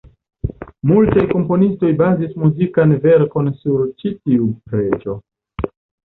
Multaj komponistoj bazis muzikan verkon sur ĉi tiu preĝo.